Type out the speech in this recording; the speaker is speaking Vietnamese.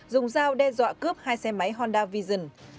dùng dao đe dọa cướp hai xe máy honda vision